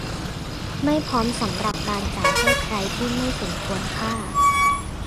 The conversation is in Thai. ไม่พร้อมสำหรับการจ่ายให้ใครที่ไม่สมควรค่า